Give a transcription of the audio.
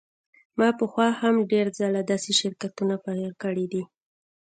ما پخوا هم ډیر ځله داسې شرکتونه پیل کړي دي